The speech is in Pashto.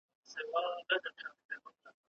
چې ناوې لاندې مو ودروي باران کښې